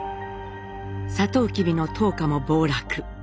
サトウキビの糖価も暴落。